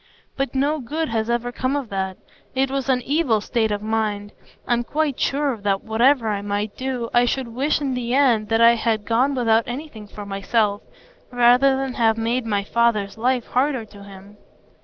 But no good has ever come of that; it was an evil state of mind. I'm quite sure that whatever I might do, I should wish in the end that I had gone without anything for myself, rather than have made my father's life harder to him."